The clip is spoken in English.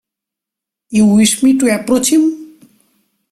You wish me to approach him?